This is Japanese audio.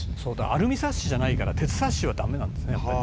アルミサッシじゃないから鉄サッシはダメなんですねやっぱり。